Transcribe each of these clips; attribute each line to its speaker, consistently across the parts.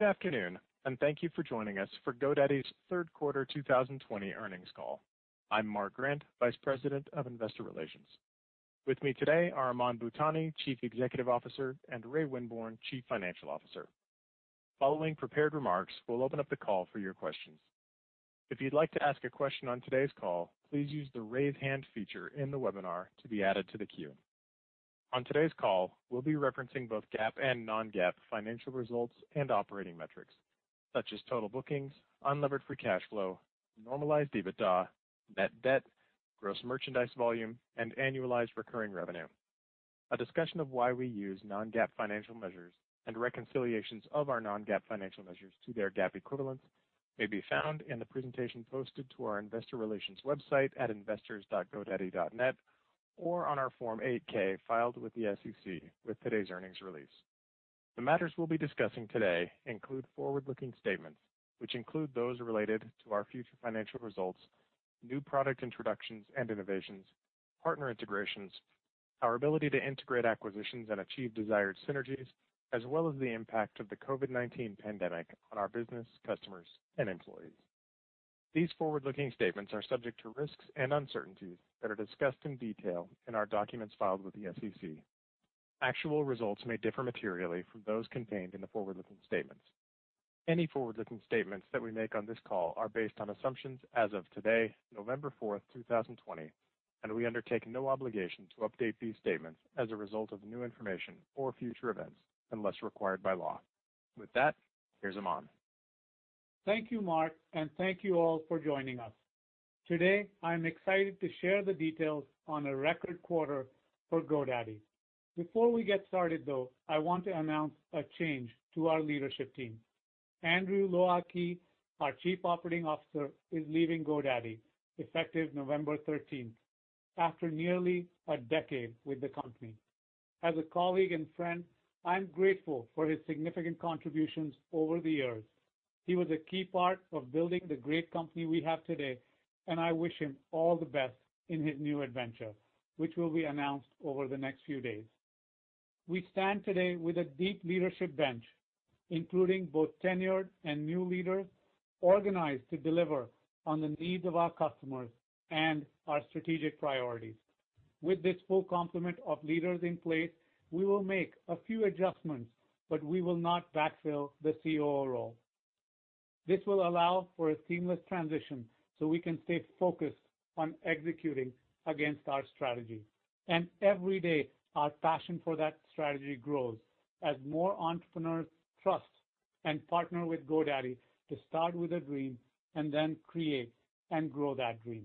Speaker 1: Good afternoon. Thank you for joining us for GoDaddy's third quarter 2020 earnings call. I'm Mark Grant, Vice President of Investor Relations. With me today are Aman Bhutani, Chief Executive Officer, and Ray Winborne, Chief Financial Officer. Following prepared remarks, we'll open up the call for your questions. If you'd like to ask a question on today's call, please use the raise hand feature in the webinar to be added to the queue. On today's call, we'll be referencing both GAAP and non-GAAP financial results and operating metrics such as total bookings, unlevered free cash flow, normalized EBITDA, net debt, gross merchandise volume, and annualized recurring revenue. A discussion of why we use non-GAAP financial measures and reconciliations of our non-GAAP financial measures to their GAAP equivalents may be found in the presentation posted to our investor relations website at investors.godaddy.net or on our Form 8-K filed with the SEC with today's earnings release. The matters we'll be discussing today include forward-looking statements, which include those related to our future financial results, new product introductions and innovations, partner integrations, our ability to integrate acquisitions and achieve desired synergies, as well as the impact of the COVID-19 pandemic on our business, customers, and employees. These forward-looking statements are subject to risks and uncertainties that are discussed in detail in our documents filed with the SEC. Actual results may differ materially from those contained in the forward-looking statements. Any forward-looking statements that we make on this call are based on assumptions as of today, November 4th, 2020, and we undertake no obligation to update these statements as a result of new information or future events, unless required by law. With that, here's Aman.
Speaker 2: Thank you, Mark, thank you all for joining us. Today, I'm excited to share the details on a record quarter for GoDaddy. Before we get started, though, I want to announce a change to our leadership team. Andrew Low Ah Kee, our Chief Operating Officer, is leaving GoDaddy effective November 13th after nearly a decade with the company. As a colleague and friend, I'm grateful for his significant contributions over the years. He was a key part of building the great company we have today, I wish him all the best in his new adventure, which will be announced over the next few days. We stand today with a deep leadership bench, including both tenured and new leaders, organized to deliver on the needs of our customers and our strategic priorities. With this full complement of leaders in place, we will make a few adjustments, but we will not backfill the COO role. This will allow for a seamless transition so we can stay focused on executing against our strategy. Every day, our passion for that strategy grows as more entrepreneurs trust and partner with GoDaddy to start with a dream and then create and grow that dream.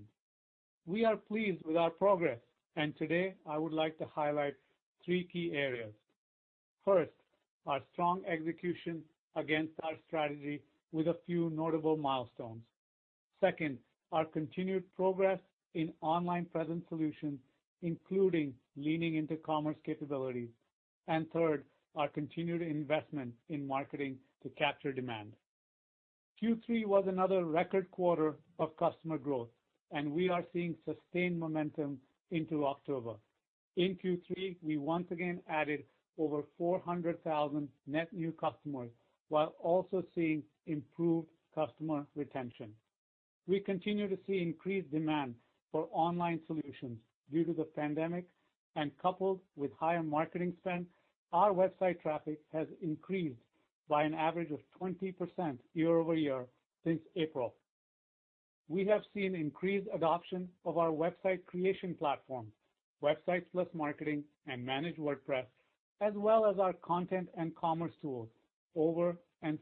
Speaker 2: We are pleased with our progress, and today I would like to highlight three key areas. First, our strong execution against our strategy with a few notable milestones. Second, our continued progress in online presence solutions, including leaning into commerce capabilities. Third, our continued investment in marketing to capture demand. Q3 was another record quarter of customer growth, and we are seeing sustained momentum into October. In Q3, we once again added over 400,000 net new customers while also seeing improved customer retention. We continue to see increased demand for online solutions due to the pandemic, and coupled with higher marketing spend, our website traffic has increased by an average of 20% year-over-year since April. We have seen increased adoption of our website creation platform, Websites + Marketing, and Managed WordPress, as well as our content and commerce tools, Over and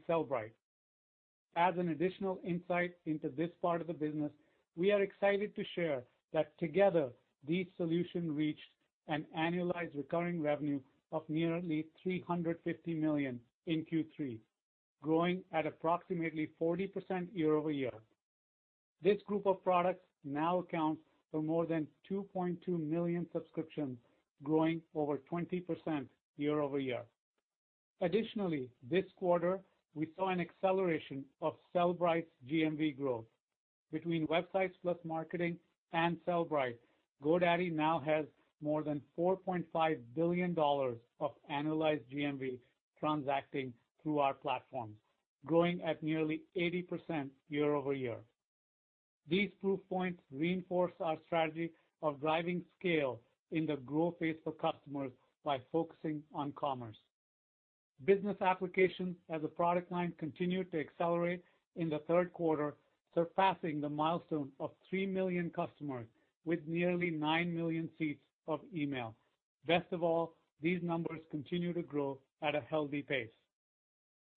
Speaker 2: Sellbrite. As an additional insight into this part of the business, we are excited to share that together, these solutions reached an annualized recurring revenue of nearly $350 million in Q3, growing at approximately 40% year-over-year. This group of products now accounts for more than 2.2 million subscriptions, growing over 20% year-over-year. Additionally, this quarter, we saw an acceleration of Sellbrite's GMV growth. Between Websites + Marketing and Sellbrite, GoDaddy now has more than $4.5 billion of annualized GMV transacting through our platform, growing at nearly 80% year-over-year. These proof points reinforce our strategy of driving scale in the growth phase for customers by focusing on commerce. Business Applications as a product line continued to accelerate in the third quarter, surpassing the milestone of three million customers with nearly nine million seats of email. Best of all, these numbers continue to grow at a healthy pace.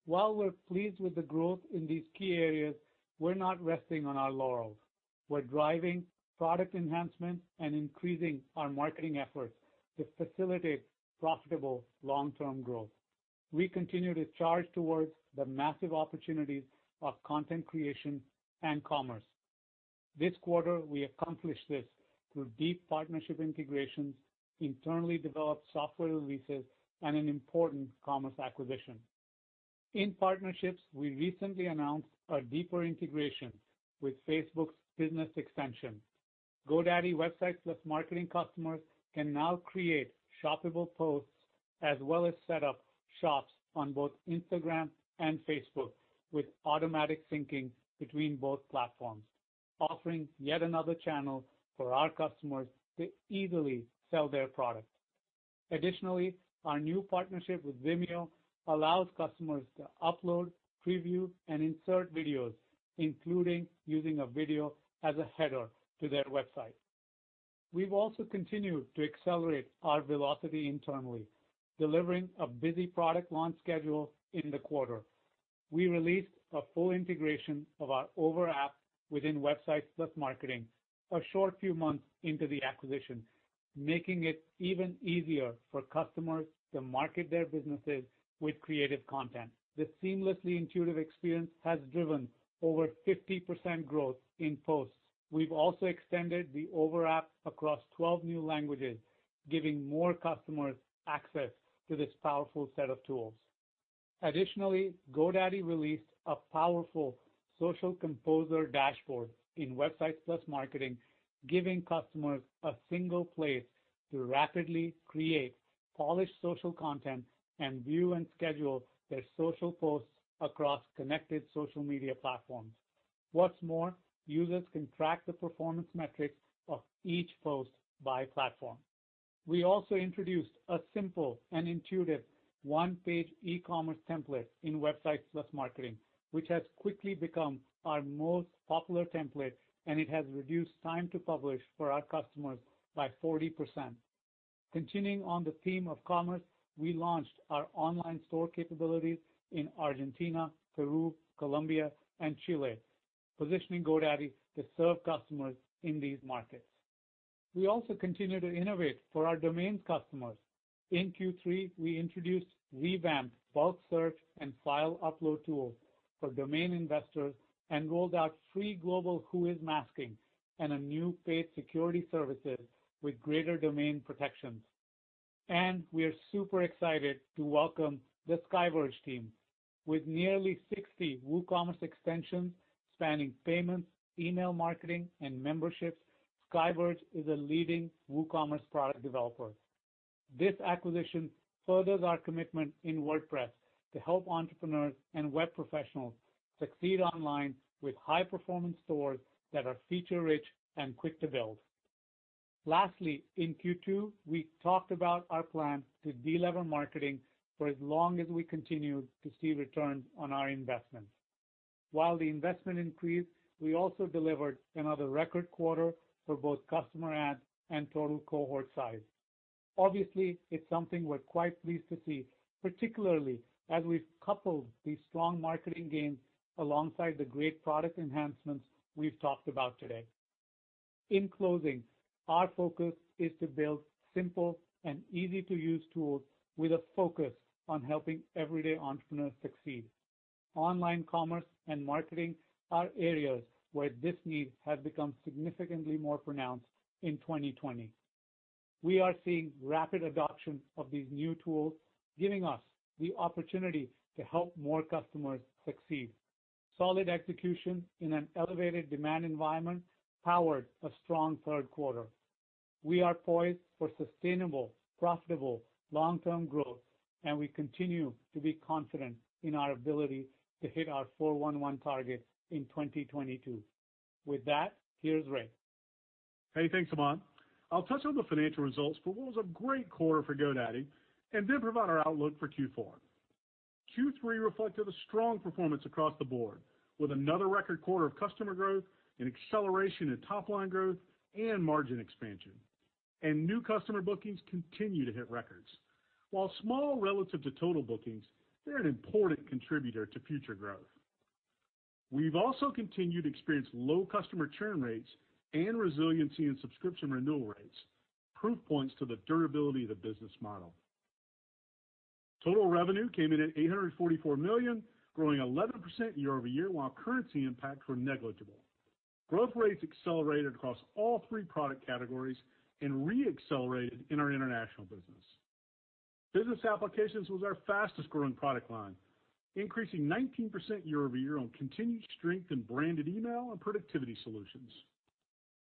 Speaker 2: While we're pleased with the growth in these key areas, we're not resting on our laurels. We're driving product enhancements and increasing our marketing efforts to facilitate profitable long-term growth. We continue to charge towards the massive opportunities of content creation and commerce. This quarter, we accomplished this through deep partnership integrations, internally developed software releases, and an important commerce acquisition. In partnerships, we recently announced a deeper integration with Facebook's Meta Business Extension GoDaddy Websites + Marketing customers can now create shoppable posts as well as set up shops on both Instagram and Facebook with automatic syncing between both platforms, offering yet another channel for our customers to easily sell their product. Additionally, our new partnership with Vimeo allows customers to upload, preview, and insert videos, including using a video as a header to their website. We've also continued to accelerate our velocity internally, delivering a busy product launch schedule in the quarter. We released a full integration of our Over app within Websites + Marketing a short few months into the acquisition, making it even easier for customers to market their businesses with creative content. This seamlessly intuitive experience has driven over 50% growth in posts. We've also extended the Over app across 12 new languages, giving more customers access to this powerful set of tools. Additionally, GoDaddy released a powerful social composer dashboard in Websites + Marketing, giving customers a single place to rapidly create polished social content and view and schedule their social posts across connected social media platforms. What's more, users can track the performance metrics of each post by platform. We also introduced a simple and intuitive one-page e-commerce template in Websites + Marketing, which has quickly become our most popular template, and it has reduced time to publish for our customers by 40%. Continuing on the theme of commerce, we launched our online store capabilities in Argentina, Peru, Colombia, and Chile, positioning GoDaddy to serve customers in these markets. We also continue to innovate for our domains customers. In Q3, we introduced revamped bulk search and file upload tools for domain investors and rolled out free global WHOIS masking and a new paid security services with greater domain protections. We are super excited to welcome the SkyVerge team. With nearly 60 WooCommerce extensions spanning payments, email marketing, and memberships, SkyVerge is a leading WooCommerce product developer. This acquisition furthers our commitment in WordPress to help entrepreneurs and web professionals succeed online with high-performance stores that are feature-rich and quick to build. Lastly, in Q2, we talked about our plan to de-lever marketing for as long as we continue to see returns on our investments. While the investment increased, we also delivered another record quarter for both customer adds and total cohort size. Obviously, it's something we're quite pleased to see, particularly as we've coupled these strong marketing gains alongside the great product enhancements we've talked about today. In closing, our focus is to build simple and easy-to-use tools with a focus on helping everyday entrepreneurs succeed. Online commerce and marketing are areas where this need has become significantly more pronounced in 2020. We are seeing rapid adoption of these new tools, giving us the opportunity to help more customers succeed. Solid execution in an elevated demand environment powered a strong third quarter. We are poised for sustainable, profitable, long-term growth, and we continue to be confident in our ability to hit our 411 targets in 2022. With that, here's Ray.
Speaker 3: Hey, thanks, Aman. I'll touch on the financial results for what was a great quarter for GoDaddy and then provide our outlook for Q4. Q3 reflected a strong performance across the board, with another record quarter of customer growth, an acceleration in top-line growth, and margin expansion. New customer bookings continue to hit records. While small relative to total bookings, they're an important contributor to future growth. We've also continued to experience low customer churn rates and resiliency in subscription renewal rates, proof points to the durability of the business model. Total revenue came in at $844 million, growing 11% year-over-year, while currency impacts were negligible. Growth rates accelerated across all three product categories and re-accelerated in our international business. Business Applications was our fastest-growing product line, increasing 19% year-over-year on continued strength in branded email and productivity solutions.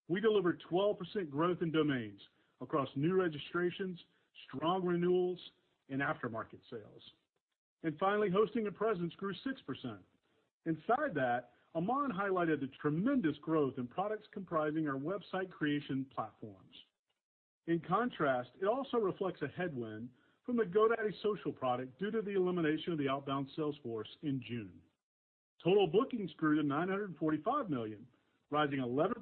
Speaker 3: We delivered 12% growth in domains across new registrations, strong renewals, and aftermarket sales. Finally, Hosting and Presence grew 6%. Inside that, Aman highlighted the tremendous growth in products comprising our website creation platforms. In contrast, it also reflects a headwind from the GoDaddy Social product due to the elimination of the outbound sales force in June. Total bookings grew to $945 million, rising 11%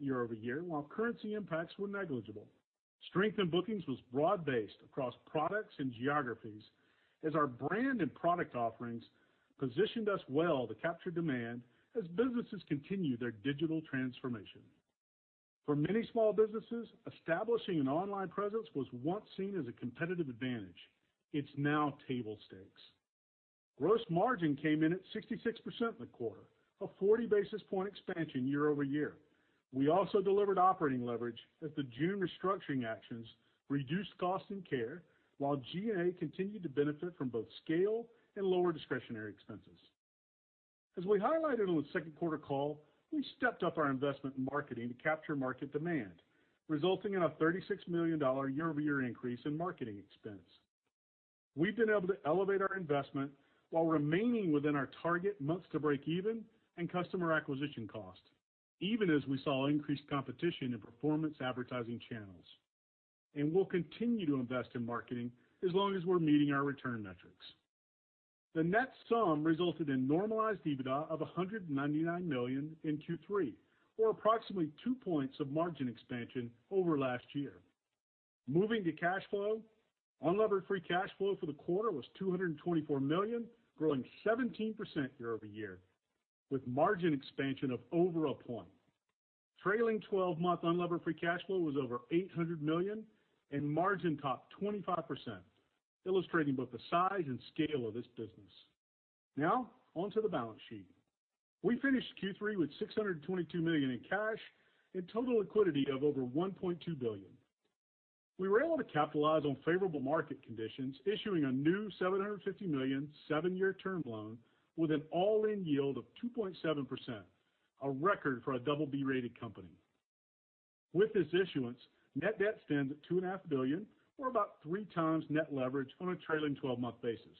Speaker 3: year-over-year, while currency impacts were negligible. Strength in bookings was broad-based across products and geographies as our brand and product offerings positioned us well to capture demand as businesses continue their digital transformation. For many small businesses, establishing an online presence was once seen as a competitive advantage. It's now table stakes. Gross margin came in at 66% in the quarter, a 40-basis point expansion year-over-year. We also delivered operating leverage as the June restructuring actions reduced costs in care, while G&A continued to benefit from both scale and lower discretionary expenses. As we highlighted on the second quarter call, we stepped up our investment in marketing to capture market demand, resulting in a $36 million year-over-year increase in marketing expense. We've been able to elevate our investment while remaining within our target months to break even and customer acquisition cost, even as we saw increased competition in performance advertising channels. We'll continue to invest in marketing as long as we're meeting our return metrics. The net sum resulted in normalized EBITDA of $199 million in Q3, or approximately two points of margin expansion over last year. Moving to cash flow, unlevered free cash flow for the quarter was $224 million, growing 17% year-over-year, with margin expansion of over a point. Trailing 12-month unlevered free cash flow was over $800 million and margin top 25%, illustrating both the size and scale of this business. Onto the balance sheet. We finished Q3 with $622 million in cash and total liquidity of over $1.2 billion. We were able to capitalize on favorable market conditions, issuing a new $750 million, seven-year term loan with an all-in yield of 2.7%, a record for a Double B-rated company. With this issuance, net debt stands at $2.5 billion, or about 3x net leverage on a trailing 12-month basis.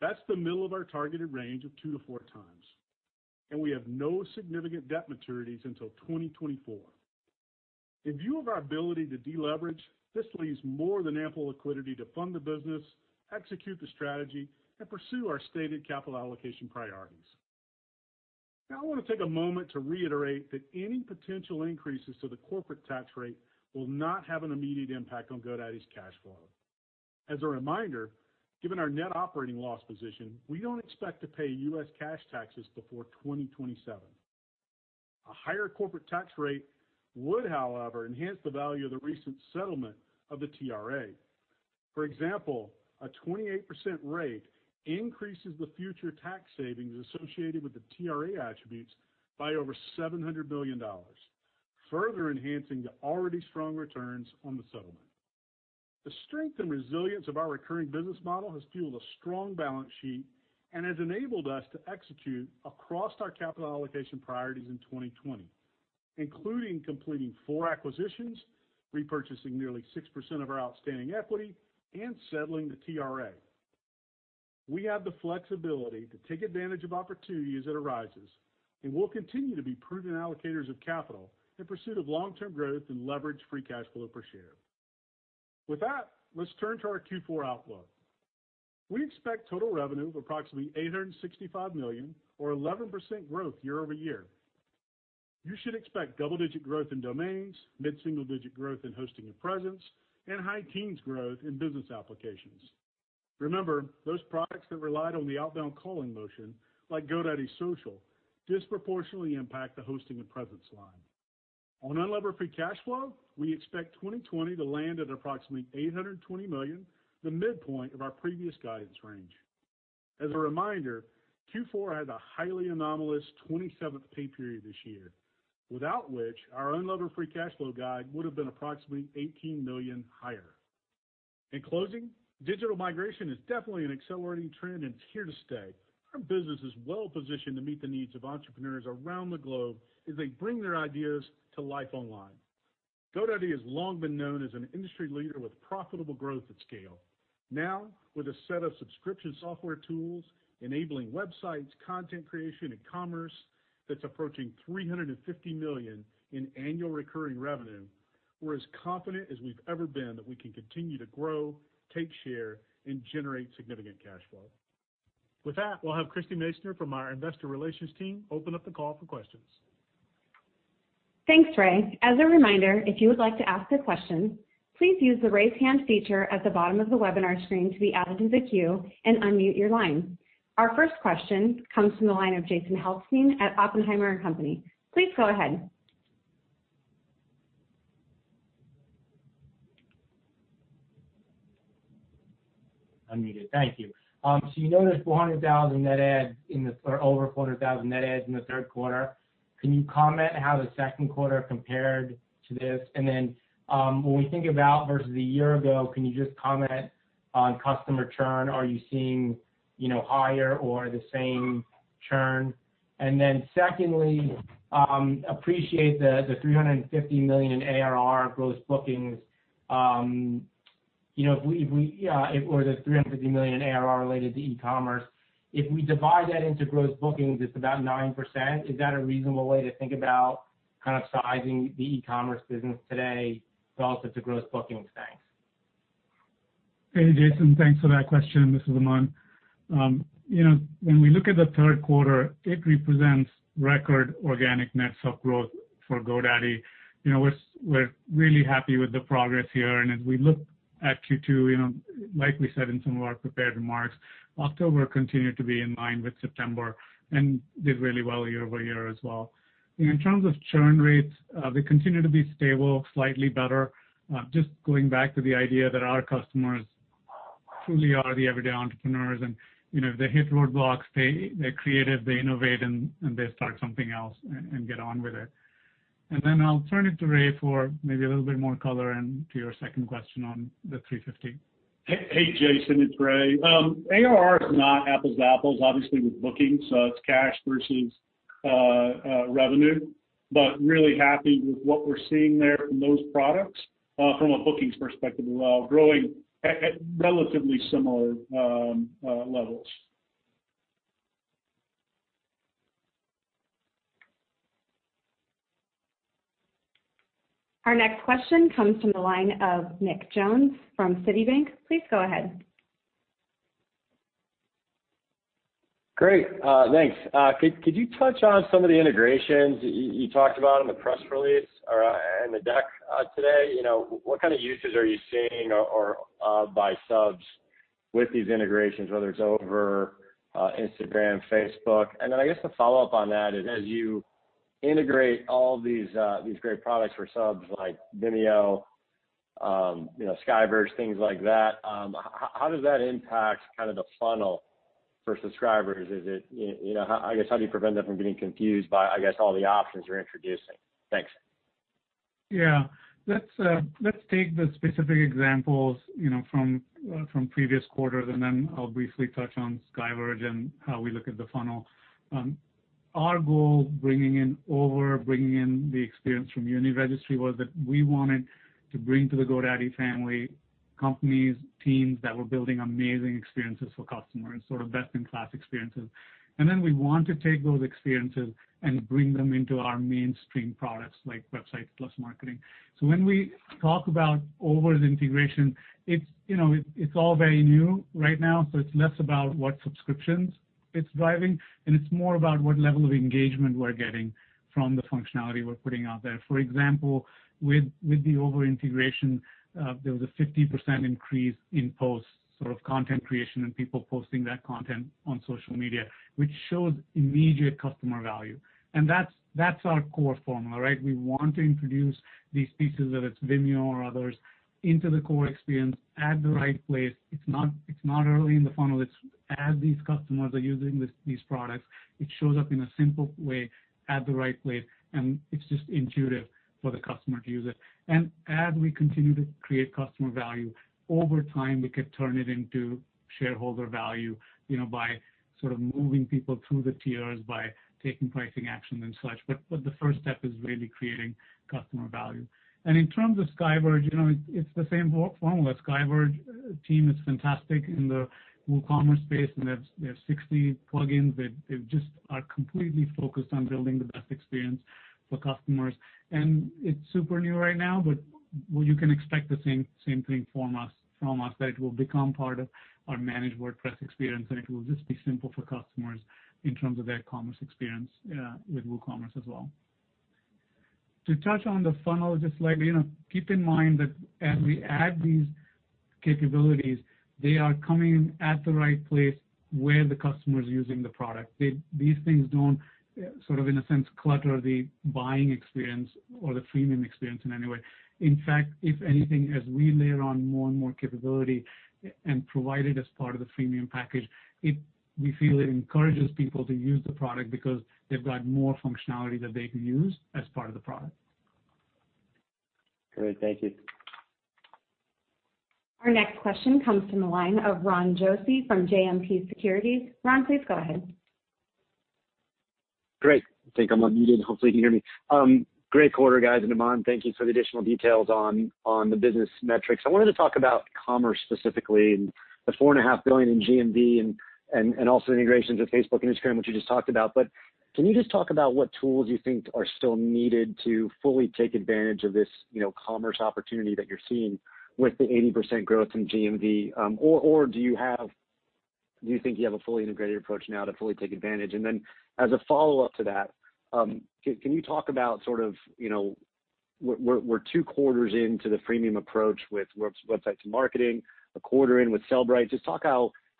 Speaker 3: That's the middle of our targeted range of 2-4x. We have no significant debt maturities until 2024. In view of our ability to deleverage, this leaves more than ample liquidity to fund the business, execute the strategy, and pursue our stated capital allocation priorities. I want to take a moment to reiterate that any potential increases to the corporate tax rate will not have an immediate impact on GoDaddy's cash flow. As a reminder, given our net operating loss position, we don't expect to pay U.S. cash taxes before 2027. A higher corporate tax rate would, however, enhance the value of the recent settlement of the TRA. For example, a 28% rate increases the future tax savings associated with the TRA attributes by over $700 million, further enhancing the already strong returns on the settlement. The strength and resilience of our recurring business model has fueled a strong balance sheet and has enabled us to execute across our capital allocation priorities in 2020, including completing four acquisitions, repurchasing nearly 6% of our outstanding equity, and settling the TRA. We have the flexibility to take advantage of opportunities as it arises, and we'll continue to be prudent allocators of capital in pursuit of long-term growth and leveraged free cash flow per share. With that, let's turn to our Q4 outlook. We expect total revenue of approximately $865 million, or 11% growth year-over-year. You should expect double-digit growth in domains, mid-single digit growth in hosting and presence, and high teens growth in Business Applications. Remember, those products that relied on the outbound calling motion, like GoDaddy Social, disproportionately impact the hosting and presence line. On unlevered free cash flow, we expect 2020 to land at approximately $820 million, the midpoint of our previous guidance range. As a reminder, Q4 had a highly anomalous 27th pay period this year, without which our unlevered free cash flow guide would've been approximately $18 million higher. In closing, digital migration is definitely an accelerating trend and it's here to stay. Our business is well positioned to meet the needs of entrepreneurs around the globe as they bring their ideas to life online. GoDaddy has long been known as an industry leader with profitable growth at scale. Now, with a set of subscription software tools enabling websites, content creation, and commerce that's approaching $350 million in annual recurring revenue, we're as confident as we've ever been that we can continue to grow, take share, and generate significant cash flow. With that, we'll have Christie Masoner from our investor relations team open up the call for questions.
Speaker 4: Thanks, Ray. As a reminder, if you would like to ask a question, please use the raise hand feature at the bottom of the webinar screen to be added to the queue and unmute your line. Our first question comes from the line of Jason Helfstein at Oppenheimer & Co. Please go ahead.
Speaker 5: Unmuted. Thank you. You noticed 400,000 net adds or over 400,000 net adds in the third quarter. Can you comment how the second quarter compared to this? When we think about versus a year ago, can you just comment on customer churn? Are you seeing higher or the same churn? Secondly, appreciate the $350 million in ARR gross bookings. or the $350 million in ARR related to e-commerce, if we divide that into gross bookings, it's about 9%. Is that a reasonable way to think about kind of sizing the e-commerce business today relative to gross bookings? Thanks.
Speaker 2: Hey, Jason. Thanks for that question. This is Aman. When we look at the third quarter, it represents record organic net sub growth for GoDaddy. We're really happy with the progress here. As we look at Q2, like we said in some of our prepared remarks, October continued to be in line with September and did really well year-over-year as well. In terms of churn rates, they continue to be stable, slightly better. Just going back to the idea that our customers truly are the everyday entrepreneurs, and if they hit roadblocks, they're creative, they innovate, and they start something else, and get on with it. Then I'll turn it to Ray for maybe a little bit more color and to your second question on the $350 million.
Speaker 3: Hey, Jason, it's Ray. ARR is not apples to apples, obviously, with bookings. It's cash versus revenue, but really happy with what we're seeing there from those products, from a bookings perspective as well, growing at relatively similar levels.
Speaker 4: Our next question comes from the line of Nick Jones from Citi. Please go ahead.
Speaker 6: Great. Thanks. Could you touch on some of the integrations you talked about in the press release or in the deck today? What kind of uses are you seeing by subs with these integrations, whether it's Over, Instagram, Facebook? I guess the follow-up on that is as you integrate all these great products for subs like Vimeo, SkyVerge, things like that, how does that impact the funnel for subscribers? I guess, how do you prevent them from getting confused by all the options you're introducing? Thanks.
Speaker 2: Let's take the specific examples from previous quarters. Then I'll briefly touch on SkyVerge and how we look at the funnel. Our goal, bringing in Over, bringing in the experience from Uniregistry, was that we wanted to bring to the GoDaddy family, companies, teams that were building amazing experiences for customers, best-in-class experiences. Then we want to take those experiences and bring them into our mainstream products, like Websites + Marketing. When we talk about Over's integration, it's all very new right now. It's less about what subscriptions it's driving, and it's more about what level of engagement we're getting from the functionality we're putting out there. For example, with the Over integration, there was a 50% increase in post content creation and people posting that content on social media, which shows immediate customer value. That's our core formula. We want to introduce these pieces, whether it's Vimeo or others, into the core experience at the right place. It's not early in the funnel. It's as these customers are using these products, it shows up in a simple way at the right place, and it's just intuitive for the customer to use it. As we continue to create customer value, over time, we could turn it into shareholder value by moving people through the tiers, by taking pricing actions and such. The first step is really creating customer value. In terms of SkyVerge, it's the same formula. SkyVerge team is fantastic in the WooCommerce space, and they have 60 plugins. They just are completely focused on building the best experience for customers. It's super new right now, but you can expect the same thing from us, that it will become part of our Managed WordPress experience, and it will just be simple for customers in terms of their commerce experience with WooCommerce as well. To touch on the funnel just slightly, keep in mind that as we add these capabilities, they are coming at the right place where the customer is using the product. These things don't, in a sense, clutter the buying experience or the freemium experience in any way. In fact, if anything, as we layer on more and more capability and provide it as part of the freemium package, we feel it encourages people to use the product because they've got more functionality that they can use as part of the product.
Speaker 6: Great. Thank you.
Speaker 4: Our next question comes from the line of Ron Josey from JMP Securities. Ron, please go ahead.
Speaker 7: Great. I think I'm unmuted. Hopefully you can hear me. Great quarter, guys, and Aman, thank you for the additional details on the business metrics. I wanted to talk about commerce specifically, and the $4.5 billion in GMV, and also the integrations with Facebook and Instagram, which you just talked about. Can you just talk about what tools you think are still needed to fully take advantage of this commerce opportunity that you're seeing with the 80% growth in GMV? Do you think you have a fully integrated approach now to fully take advantage? As a follow-up to that, can you talk about we're two quarters into the freemium approach with Websites + Marketing, a quarter in with Sellbrite. Just talk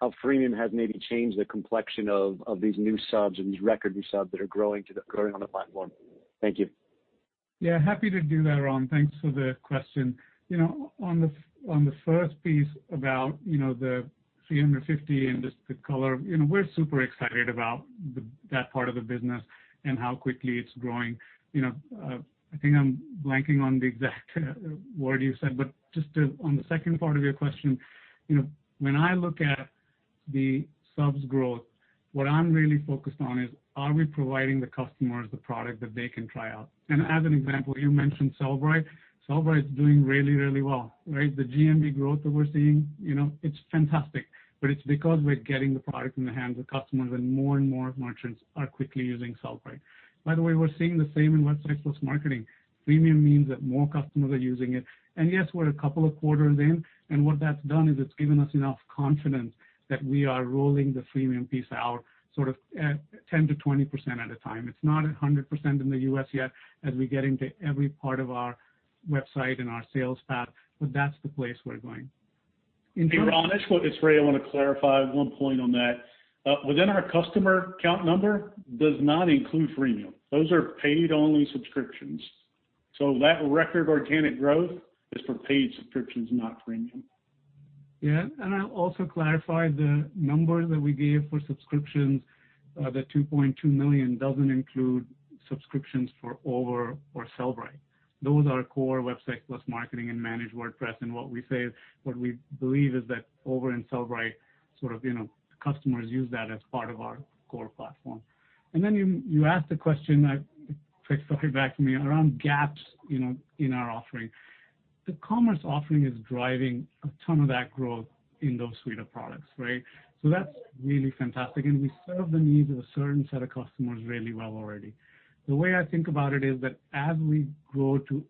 Speaker 7: how freemium has maybe changed the complexion of these new subs and these record new subs that are growing on the platform. Thank you.
Speaker 2: Yeah, happy to do that, Ron. Thanks for the question. On the first piece about the 350 and just the color, we're super excited about that part of the business and how quickly it's growing. I think I'm blanking on the exact word you said, but just on the second part of your question, when I look at the subs growth, what I'm really focused on is, are we providing the customers the product that they can try out? As an example, you mentioned Sellbrite. Sellbrite's doing really well. The GMV growth that we're seeing, it's fantastic. It's because we're getting the product in the hands of customers, and more and more merchants are quickly using Sellbrite. By the way, we're seeing the same in Websites + Marketing. Freemium means that more customers are using it. Yes, we're a couple of quarters in, and what that's done is it's given us enough confidence that we are rolling the freemium piece out at 10%-20% at a time. It's not 100% in the U.S. yet as we get into every part of our website and our sales path, but that's the place we're going.
Speaker 3: Hey, Ron, it's Ray. I want to clarify one point on that. Within our customer count number, does not include freemium. Those are paid-only subscriptions. That record organic growth is for paid subscriptions, not freemium.
Speaker 2: Yeah, I'll also clarify the number that we gave for subscriptions, the 2.2 million doesn't include subscriptions for Over or Sellbrite. Those are core Websites + Marketing and Managed WordPress, and what we believe is that Over and Sellbrite, customers use that as part of our core platform. Then you asked a question that takes something back from me around gaps in our offering. The commerce offering is driving a ton of that growth in those suite of products, right? That's really fantastic, and we serve the needs of a certain set of customers really well already. The way I think about it is that as we grow to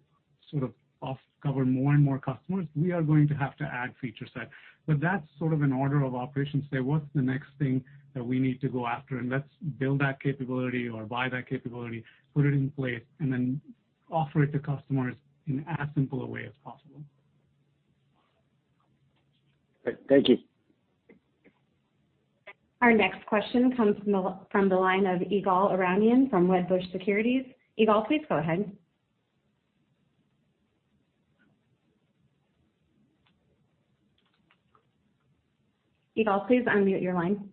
Speaker 2: sort of off cover more and more customers, we are going to have to add feature set, but that's sort of an order of operations to say, what's the next thing that we need to go after? Let's build that capability or buy that capability, put it in place, and then offer it to customers in as simple a way as possible.
Speaker 7: Great. Thank you.
Speaker 4: Our next question comes from the line of Ygal Arounian from Wedbush Securities. Ygal, please go ahead. Ygal, please unmute your line.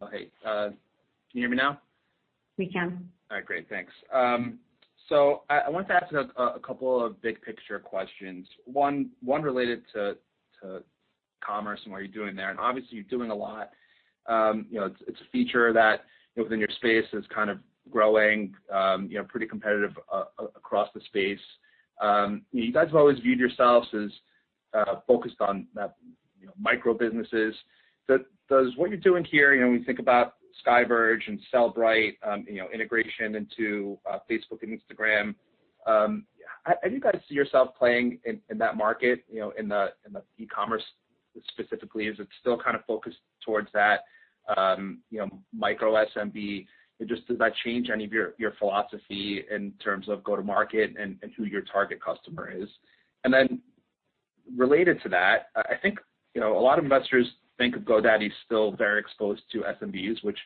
Speaker 8: Okay. Can you hear me now?
Speaker 4: We can.
Speaker 8: All right. Great. Thanks. I wanted to ask a couple of big-picture questions, one related to commerce and what you're doing there, and obviously you're doing a lot. It's a feature that within your space is kind of growing, pretty competitive across the space. You guys have always viewed yourselves as focused on micro businesses. Does what you're doing here, when we think about SkyVerge and Sellbrite, integration into Facebook and Instagram, have you guys see yourself playing in that market, in the e-commerce specifically? Is it still kind of focused towards that micro SMB? Just does that change any of your philosophy in terms of go to market and who your target customer is? Then related to that, I think a lot of investors think of GoDaddy still very exposed to SMBs, which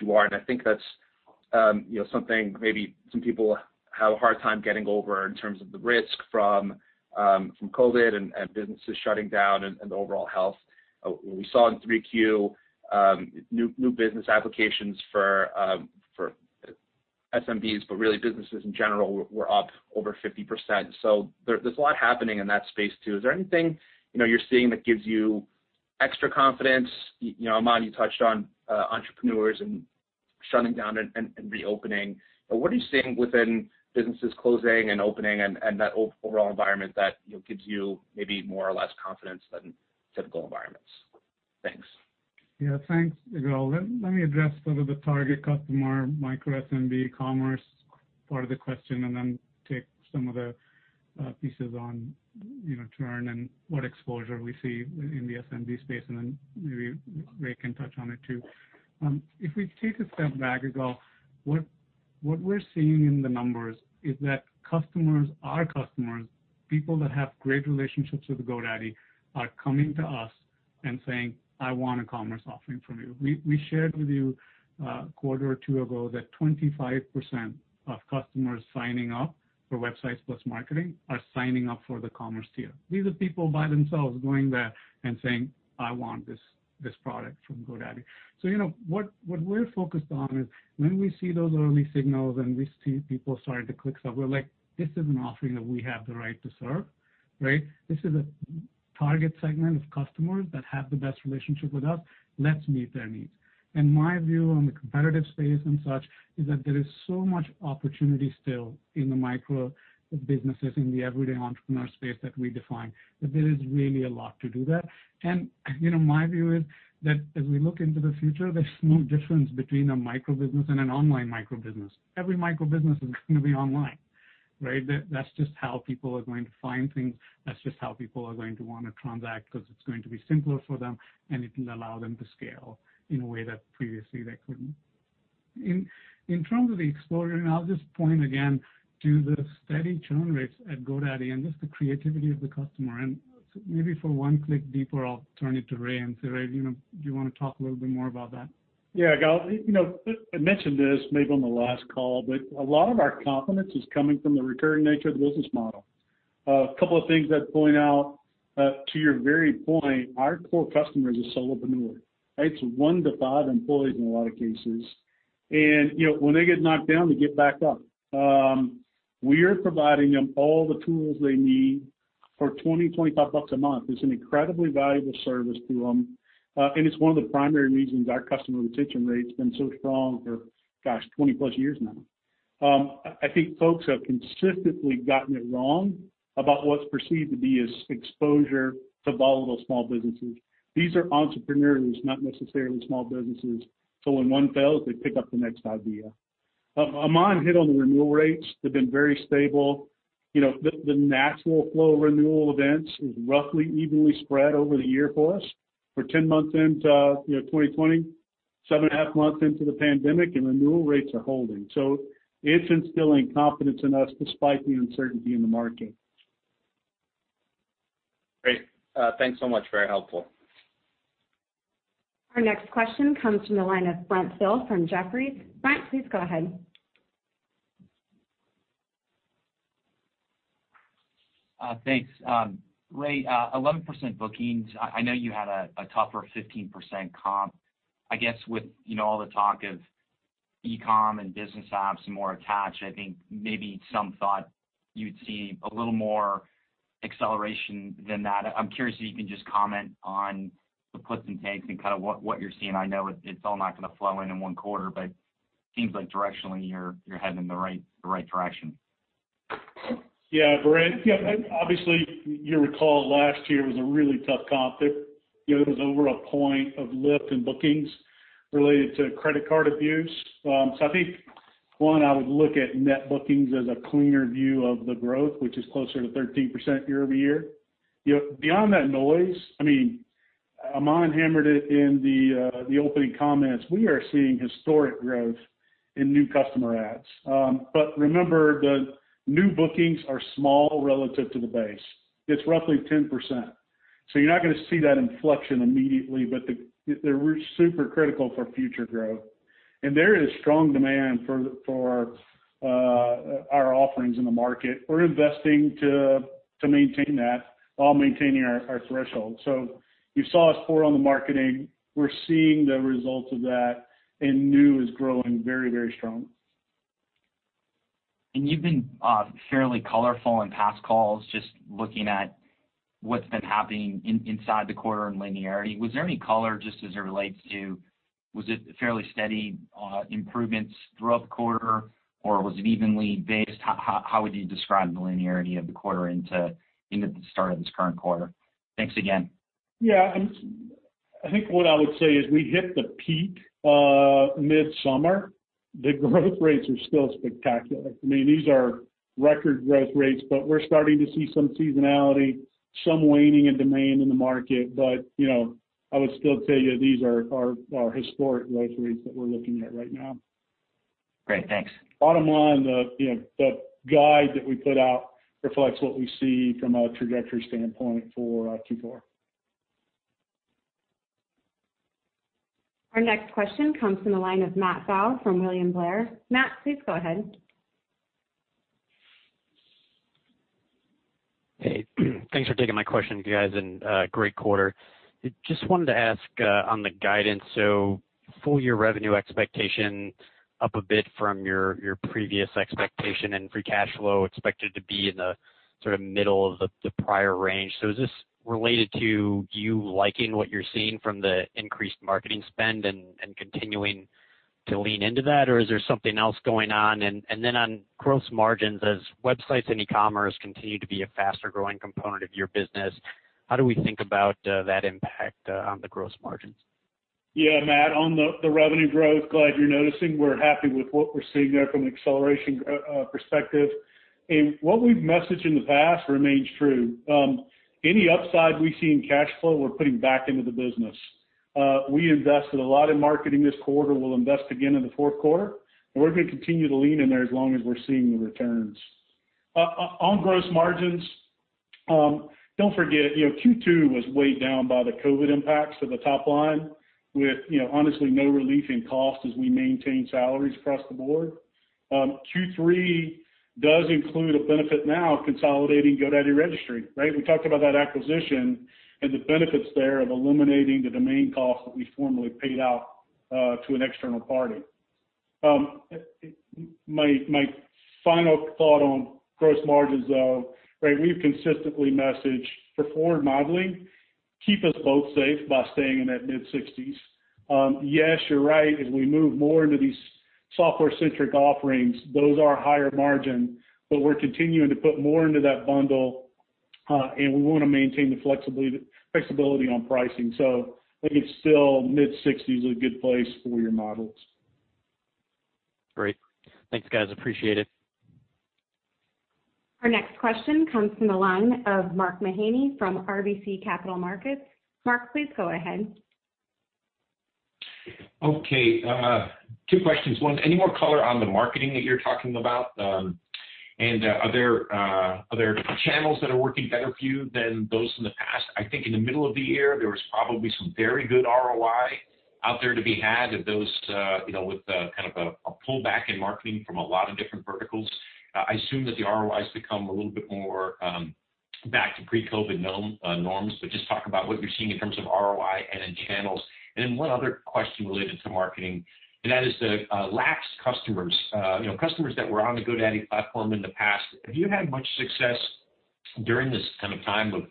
Speaker 8: you are, and I think that's something maybe some people have a hard time getting over in terms of the risk from COVID and businesses shutting down and the overall health. We saw in 3Q, new Business Applications for SMBs, but really businesses in general, were up over 50%. There's a lot happening in that space, too. Is there anything you're seeing that gives you extra confidence? Aman, you touched on entrepreneurs and shutting down and reopening. What are you seeing within businesses closing and opening and that overall environment that gives you maybe more or less confidence than typical environments? Thanks.
Speaker 2: Yeah. Thanks, Ygal. Let me address sort of the target customer micro SMB commerce part of the question, and then take some of the pieces on churn and what exposure we see in the SMB space, and then maybe Ray can touch on it, too. If we take a step back, Ygal, what we're seeing in the numbers is that our customers, people that have great relationships with GoDaddy, are coming to us and saying, "I want a commerce offering from you." We shared with you a quarter or two ago that 25% of customers signing up for Websites + Marketing are signing up for the commerce tier. These are people by themselves going there and saying, "I want this product from GoDaddy." What we're focused on is when we see those early signals, and we see people starting to click stuff, we're like, this is an offering that we have the right to serve, right? This is a target segment of customers that have the best relationship with us. Let's meet their needs. My view on the competitive space and such is that there is so much opportunity still in the micro businesses, in the everyday entrepreneur space that we define, that there is really a lot to do there. My view is that as we look into the future, there's no difference between a micro business and an online micro business. Every micro business is going to be online, right? That's just how people are going to find things. That's just how people are going to want to transact because it's going to be simpler for them, and it will allow them to scale in a way that previously they couldn't. In terms of the exposure, and I'll just point again to the steady churn rates at GoDaddy and just the creativity of the customer. Maybe for one click deeper, I'll turn it to Ray and say, Ray, do you want to talk a little bit more about that?
Speaker 3: Yeah, Ygal. I mentioned this maybe on the last call, but a lot of our confidence is coming from the recurring nature of the business model. A couple of things that point out, to your very point, our core customer is a solopreneur, right? It's one to five employees in a lot of cases. When they get knocked down, they get back up. We are providing them all the tools they need for $20, $25 a month. It's an incredibly valuable service to them, and it's one of the primary reasons our customer retention rate's been so strong for, gosh, 20+ years now. I think folks have consistently gotten it wrong about what's perceived to be as exposure to volatile small businesses. These are entrepreneurs, not necessarily small businesses. When one fails, they pick up the next idea. Aman hit on the renewal rates. They've been very stable. The natural flow of renewal events is roughly evenly spread over the year for us. We're 10 months into 2020, seven and a half months into the pandemic, and renewal rates are holding. It's instilling confidence in us despite the uncertainty in the market.
Speaker 8: Great. Thanks so much. Very helpful.
Speaker 4: Our next question comes from the line of Brent Thill from Jefferies. Brent, please go ahead.
Speaker 9: Thanks. Ray, 11% bookings. I know you had a tougher 15% comp. I guess with all the talk of e-com and Business Apps more attached, I think maybe some thought you'd see a little more acceleration than that. I'm curious if you can just comment on the puts and takes and what you're seeing. I know it's all not going to flow in in one quarter, but seems like directionally you're heading in the right direction.
Speaker 3: Yeah, Brent. Obviously, you recall last year was a really tough comp. There was over a point of lift in bookings related to credit card abuse. I think, one, I would look at net bookings as a cleaner view of the growth, which is closer to 13% year-over-year. Beyond that noise, Aman hammered it in the opening comments, we are seeing historic growth in new customer adds. Remember, the new bookings are small relative to the base. It's roughly 10%. You're not going to see that inflection immediately, but they're super critical for future growth. There is strong demand for our offerings in the market. We're investing to maintain that while maintaining our threshold. You saw us pour on the marketing. We're seeing the results of that, new is growing very, very strong.
Speaker 9: You've been fairly colorful on past calls, just looking at what's been happening inside the quarter in linearity. Was there any color just as it relates to, was it fairly steady improvements throughout the quarter, or was it evenly based? How would you describe the linearity of the quarter into the start of this current quarter? Thanks again.
Speaker 3: Yeah. I think what I would say is we hit the peak mid-summer. The growth rates are still spectacular. These are record growth rates. We're starting to see some seasonality, some waning in demand in the market. I would still tell you, these are historic growth rates that we're looking at right now.
Speaker 9: Great. Thanks.
Speaker 3: Bottom line, the guide that we put out reflects what we see from a trajectory standpoint for Q4.
Speaker 4: Our next question comes from the line of Matt Pfau from William Blair. Matt, please go ahead.
Speaker 10: Hey. Thanks for taking my question, you guys, and great quarter. Full-year revenue expectation up a bit from your previous expectation, and free cash flow expected to be in the middle of the prior range. Is this related to you liking what you're seeing from the increased marketing spend and continuing to lean into that, or is there something else going on? Then on gross margins, as websites and e-commerce continue to be a faster-growing component of your business, how do we think about that impact on the gross margins?
Speaker 3: Yeah, Matt, on the revenue growth, glad you're noticing. We're happy with what we're seeing there from an acceleration perspective. What we've messaged in the past remains true. Any upside we see in cash flow, we're putting back into the business. We invested a lot in marketing this quarter. We'll invest again in the fourth quarter, and we're going to continue to lean in there as long as we're seeing the returns. On gross margins, don't forget, Q2 was weighed down by the COVID-19 impacts to the top line with honestly no relief in cost as we maintain salaries across the board. Q3 does include a benefit now of consolidating GoDaddy Registry, right? We talked about that acquisition and the benefits there of eliminating the domain cost that we formerly paid out to an external party. My final thought on gross margins, though, we've consistently messaged for forward modeling, keep us both safe by staying in that mid-60s. Yes, you're right. As we move more into these software-centric offerings, those are higher margin, but we're continuing to put more into that bundle, and we want to maintain the flexibility on pricing. I think still mid-60s is a good place for your models.
Speaker 10: Great. Thanks, guys, appreciate it.
Speaker 4: Our next question comes from the line of Mark Mahaney from RBC Capital Markets. Mark, please go ahead.
Speaker 11: Okay. Two questions. One, any more color on the marketing that you're talking about? Are there different channels that are working better for you than those in the past? I think in the middle of the year, there was probably some very good ROI out there to be had with a pullback in marketing from a lot of different verticals. I assume that the ROI has become a little bit more back to pre-COVID norms, but just talk about what you're seeing in terms of ROI and in channels. One other question related to marketing, and that is the lapsed customers. Customers that were on the GoDaddy platform in the past, have you had much success during this time of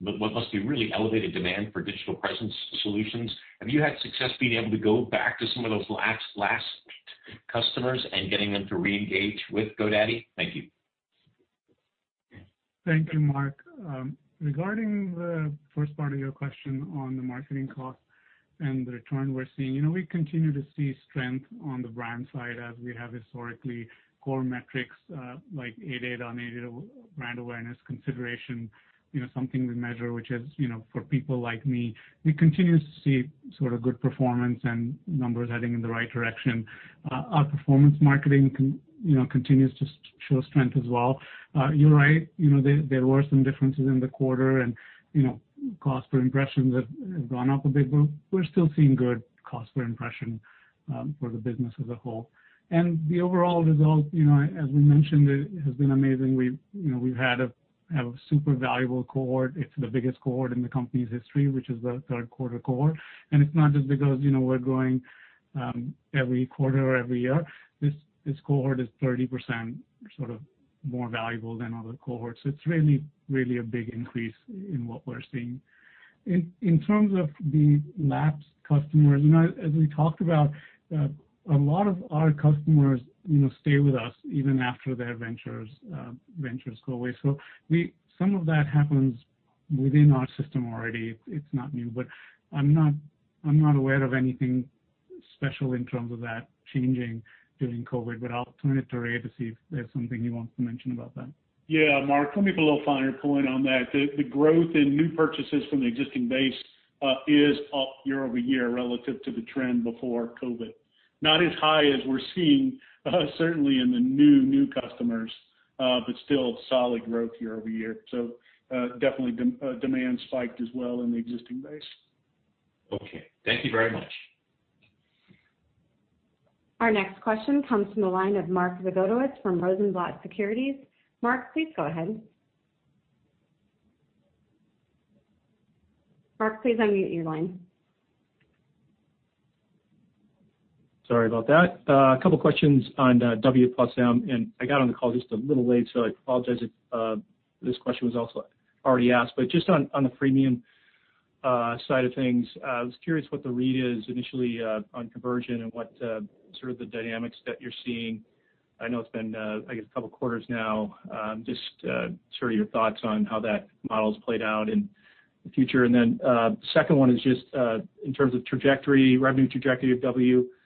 Speaker 11: what must be really elevated demand for digital presence solutions? Have you had success being able to go back to some of those lapsed customers and getting them to re-engage with GoDaddy? Thank you.
Speaker 2: Thank you, Mark. Regarding the first part of your question on the marketing cost and the return we're seeing. We continue to see strength on the brand side as we have historically. Core metrics like aided, unaided brand awareness, consideration, something we measure, which is for people like me. We continue to see good performance and numbers heading in the right direction. Our performance marketing continues to show strength as well. You're right, there were some differences in the quarter and cost per impressions have gone up a bit, but we're still seeing good cost per impression for the business as a whole. The overall result, as we mentioned, has been amazing. We've had a super valuable cohort. It's the biggest cohort in the company's history, which is the third quarter cohort. It's not just because we're growing every quarter or every year. This cohort is 30% more valuable than other cohorts. It's really a big increase in what we're seeing. In terms of the lapsed customers, as we talked about, a lot of our customers stay with us even after their ventures go away. Some of that happens within our system already. It's not new, but I'm not aware of anything special in terms of that changing during COVID-19, but I'll turn it to Ray to see if there's something he wants to mention about that.
Speaker 3: Yeah, Mark, let me put a finer point on that. The growth in new purchases from the existing base is up year-over-year relative to the trend before COVID. Not as high as we're seeing certainly in the new customers, but still solid growth year-over-year. Definitely demand spiked as well in the existing base.
Speaker 11: Okay. Thank you very much.
Speaker 4: Our next question comes from the line of Mark Zgutowicz from Rosenblatt Securities. Mark, please go ahead. Mark, please unmute your line.
Speaker 12: Sorry about that. A couple questions on W+M. I got on the call just a little late, so I apologize if this question was also already asked. Just on the freemium side of things, I was curious what the read is initially on conversion and what sort of the dynamics that you're seeing. I know it's been, I guess, a couple of quarters now. Just your thoughts on how that model's played out in the future. Then, second one is just in terms of revenue trajectory of W+M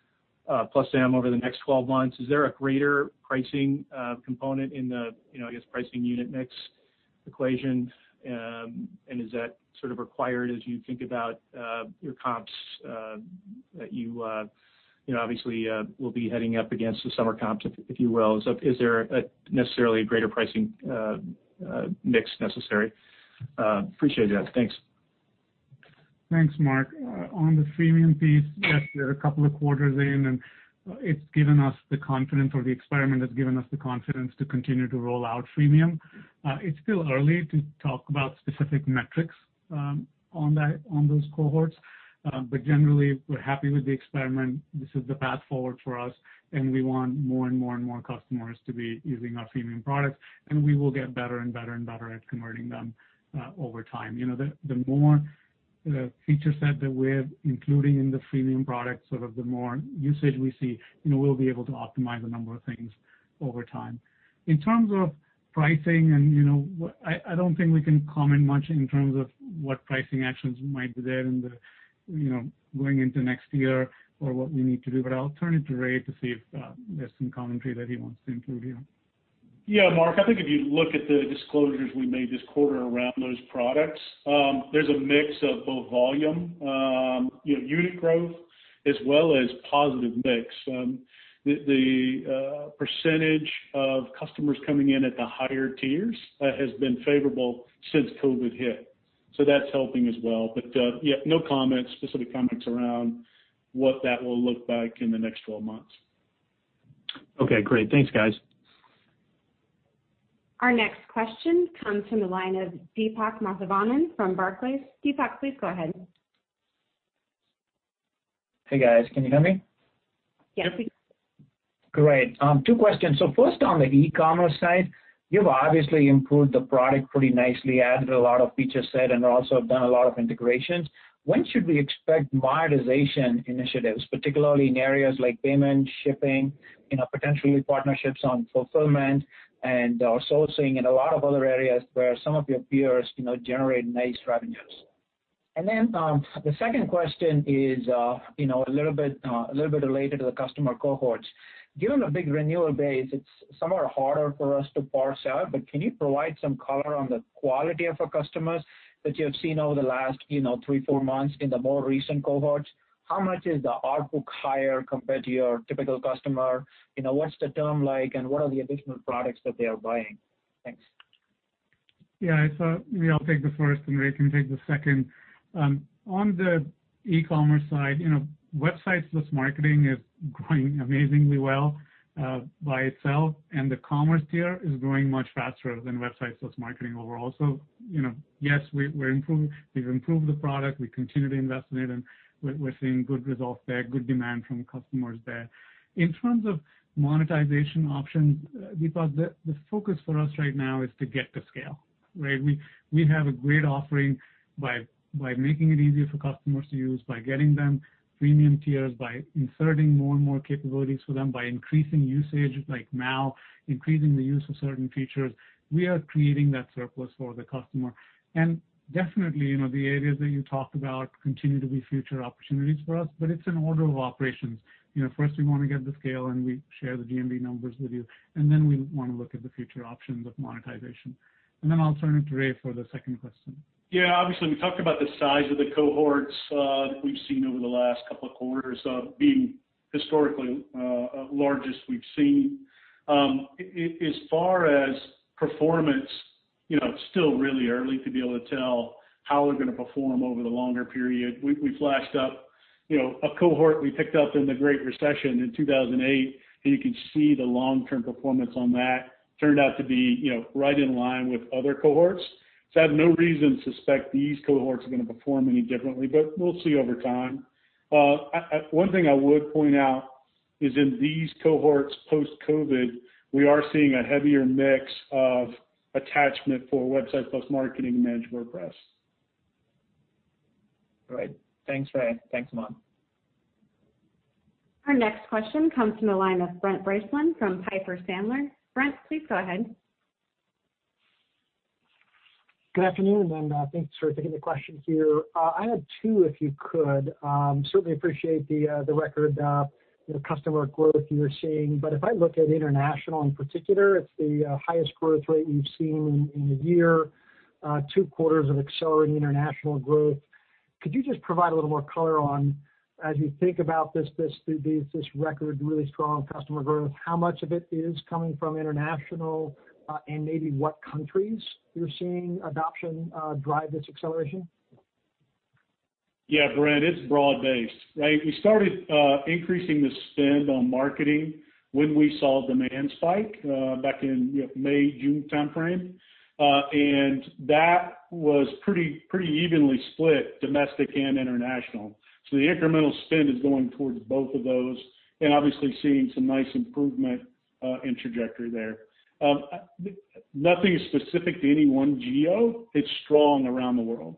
Speaker 12: over the next 12 months, is there a greater pricing component in the, I guess, pricing unit mix equation? Is that required as you think about your comps, that you obviously will be heading up against the summer comps, if you will. Is there necessarily a greater pricing mix necessary? Appreciate that. Thanks.
Speaker 2: Thanks, Mark. On the freemium piece, yes, we are a couple of quarters in, and it's given us the confidence, or the experiment has given us the confidence to continue to roll out freemium. It's still early to talk about specific metrics on those cohorts. Generally, we're happy with the experiment. This is the path forward for us, and we want more and more customers to be using our freemium product, and we will get better and better at converting them over time. The more feature set that we're including in the freemium product, the more usage we see, and we'll be able to optimize a number of things over time. In terms of pricing, I don't think we can comment much in terms of what pricing actions might be there going into next year or what we need to do. I'll turn it to Ray to see if there's some commentary that he wants to include here.
Speaker 3: Yeah, Mark, I think if you look at the disclosures we made this quarter around those products, there's a mix of both volume, unit growth, as well as positive mix. The percentage of customers coming in at the higher tiers has been favorable since COVID hit. That's helping as well. Yeah, no specific comments around what that will look like in the next 12 months.
Speaker 12: Okay, great. Thanks, guys.
Speaker 4: Our next question comes from the line of Deepak Mathivanan from Barclays. Deepak, please go ahead.
Speaker 13: Hey, guys. Can you hear me?
Speaker 4: Yes, we can.
Speaker 13: Great. Two questions. First, on the e-commerce side, you've obviously improved the product pretty nicely, added a lot of feature set, and also have done a lot of integrations. When should we expect monetization initiatives, particularly in areas like payment, shipping, potentially partnerships on fulfillment and sourcing, and a lot of other areas where some of your peers generate nice revenues? The second question is a little bit related to the customer cohorts. Given the big renewal base, it's somewhat harder for us to parse out, but can you provide some color on the quality of the customers that you have seen over the last three, four months in the more recent cohorts? How much is the ARR higher compared to your typical customer? What's the term like, and what are the additional products that they are buying? Thanks.
Speaker 2: Yeah. I thought maybe I'll take the first, and Ray can take the second. On the e-commerce side, Websites + Marketing is growing amazingly well by itself, and the commerce tier is growing much faster than Websites + Marketing overall. Yes, we've improved the product, we continue to invest in it, and we're seeing good results there, good demand from customers there. In terms of monetization options, Deepak, the focus for us right now is to get to scale, right? We have a great offering. By making it easier for customers to use, by getting them freemium tiers, by inserting more and more capabilities for them, by increasing usage like now, increasing the use of certain features, we are creating that surplus for the customer. Definitely, the areas that you talked about continue to be future opportunities for us, but it's an order of operations. First, we want to get to scale. We share the GMV numbers with you. We want to look at the future options of monetization. I'll turn it to Ray for the second question.
Speaker 3: Yeah, obviously, we talked about the size of the cohorts that we've seen over the last quarters being historically largest we've seen. As far as performance, it's still really early to be able to tell how we're going to perform over the longer period. We flashed up a cohort we picked up in the Great Recession in 2008. You can see the long-term performance on that turned out to be right in line with other cohorts. I have no reason to suspect these cohorts are going to perform any differently, but we'll see over time. One thing I would point out is in these cohorts post-COVID, we are seeing a heavier mix of attachment for Websites + Marketing and Managed WordPress.
Speaker 13: All right. Thanks, Ray. Thanks, Aman.
Speaker 4: Our next question comes from the line of Brent Bracelin from Piper Sandler. Brent, please go ahead.
Speaker 14: Good afternoon, thanks for taking the question here. I have two, if you could. Certainly appreciate the record customer growth you're seeing. If I look at international in particular, it's the highest growth rate you've seen in a year, two quarters of accelerating international growth. Could you just provide a little more color on, as you think about this record, really strong customer growth, how much of it is coming from international? Maybe what countries you're seeing adoption drive this acceleration?
Speaker 3: Brent, it's broad-based, right? We started increasing the spend on marketing when we saw demand spike back in May, June timeframe, and that was pretty evenly split domestic and international. The incremental spend is going towards both of those and obviously seeing some nice improvement in trajectory there. Nothing specific to any one geo. It's strong around the world.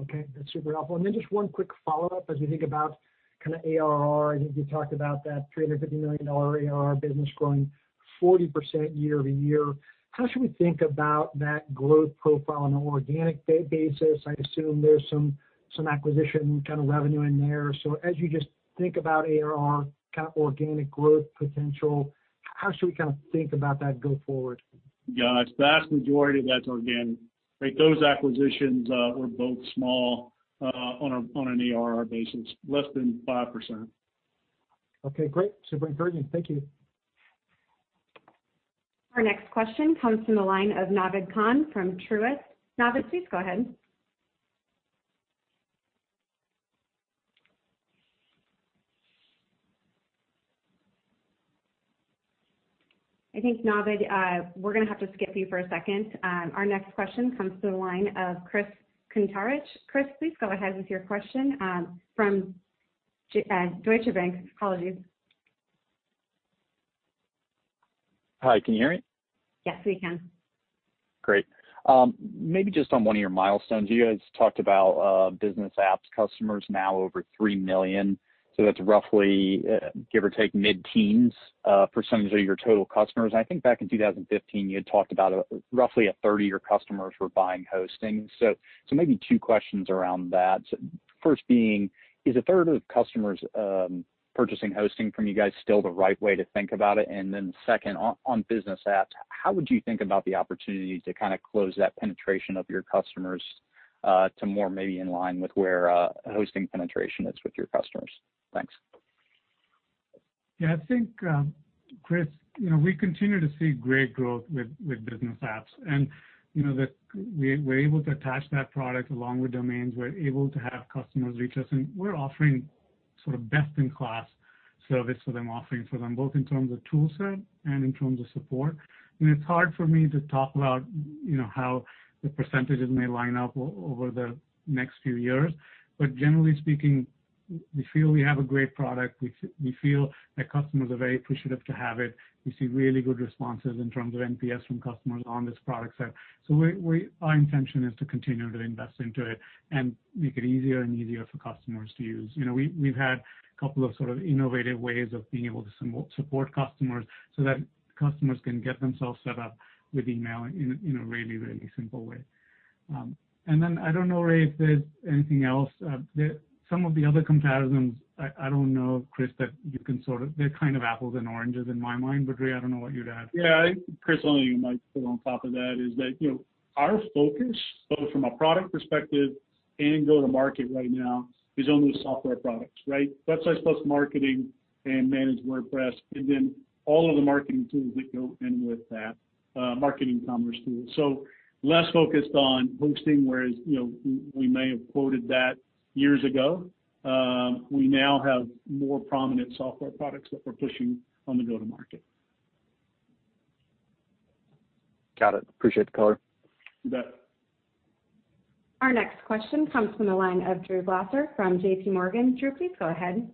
Speaker 14: Okay. That's super helpful. Just one quick follow-up. As we think about kind of ARR, I think you talked about that $350 million ARR business growing 40% year-over-year. How should we think about that growth profile on an organic basis? I assume there's some acquisition kind of revenue in there. As you just think about ARR, kind of organic growth potential, how should we think about that go forward?
Speaker 3: Yeah. Vast majority of that's organic. Those acquisitions were both small on an ARR basis, less than 5%.
Speaker 14: Okay, great. Super encouraging. Thank you.
Speaker 4: Our next question comes from the line of Naved Khan from Truist. Naved, please go ahead. I think, Naved, we're going to have to skip you for a second. Our next question comes through the line of Chris Kuntarich. Chris, please go ahead with your question from Deutsche Bank. Apologies.
Speaker 15: Hi, can you hear me?
Speaker 4: Yes, we can.
Speaker 15: Great. Maybe just on one of your milestones. You guys talked about Business Apps customers now over three million. That's roughly, give or take, mid-teens percentage of your total customers. I think back in 2015, you had talked about roughly a third of your customers were buying hosting. Maybe two questions around that. First being, is a third of customers purchasing hosting from you guys still the right way to think about it? Second, on Business Apps, how would you think about the opportunity to close that penetration of your customers to more maybe in line with where hosting penetration is with your customers? Thanks.
Speaker 2: I think, Chris, we continue to see great growth with Business Apps, and we're able to attach that product along with domains. We're able to have customers reach us, and we're offering best-in-class service for them, offering for them both in terms of tool set and in terms of support. It's hard for me to talk about how the percentages may line up over the next few years, but generally speaking, we feel we have a great product. We feel that customers are very appreciative to have it. We see really good responses in terms of NPS from customers on this product set. Our intention is to continue to invest into it and make it easier and easier for customers to use. We've had couple of sort of innovative ways of being able to support customers so that customers can get themselves set up with email in a really, really simple way. I don't know, Ray, if there's anything else. Some of the other comparisons, I don't know, Chris, they're kind of apples and oranges in my mind, but Ray, I don't know what you'd add.
Speaker 3: Yeah. Chris, only thing I might put on top of that is that our focus, both from a product perspective and go-to-market right now, is only software products, right? Websites + Marketing and Managed WordPress, and then all of the marketing tools that go in with that, marketing commerce tools. Less focused on hosting, whereas we may have quoted that years ago. We now have more prominent software products that we're pushing on the go-to-market.
Speaker 15: Got it. Appreciate the color.
Speaker 3: You bet.
Speaker 4: Our next question comes from the line of Drew Glaeser from JPMorgan. Drew, please go ahead.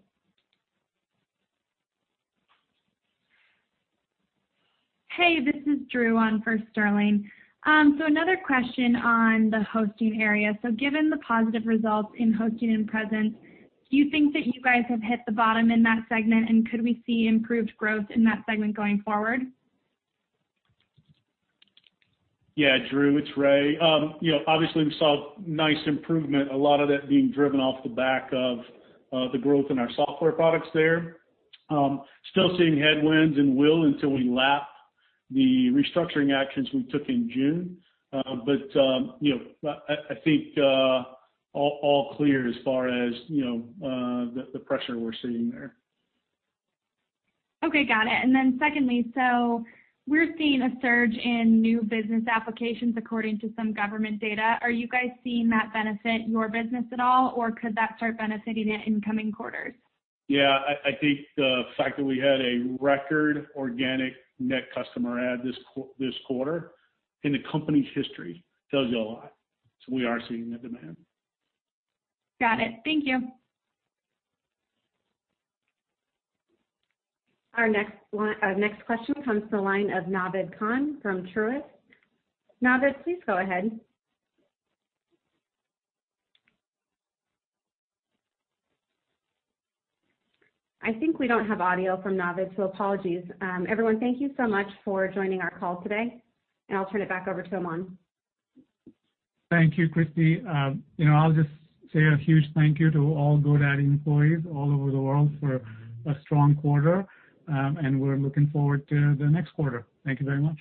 Speaker 16: Hey, this is Drew on for Sterling. Another question on the hosting area. Given the positive results in hosting and presence, do you think that you guys have hit the bottom in that segment, and could we see improved growth in that segment going forward?
Speaker 3: Yeah, Drew, it's Ray. Obviously, we saw nice improvement, a lot of that being driven off the back of the growth in our software products there. Still seeing headwinds and will until we lap the restructuring actions we took in June. I think all clear as far as the pressure we're seeing there.
Speaker 16: Okay, got it. Secondly, we're seeing a surge in new Business Applications according to some government data. Are you guys seeing that benefit your business at all, or could that start benefiting in incoming quarters?
Speaker 3: Yeah, I think the fact that we had a record organic net customer add this quarter in GoDaddy's history tells you a lot. We are seeing the demand.
Speaker 16: Got it. Thank you.
Speaker 4: Our next question comes to the line of Naved Khan from Truist. Naved, please go ahead. I think we don't have audio from Naved, so apologies. Everyone, thank you so much for joining our call today, and I'll turn it back over to Aman.
Speaker 2: Thank you, Christie. I'll just say a huge thank you to all GoDaddy employees all over the world for a strong quarter, and we're looking forward to the next quarter. Thank you very much.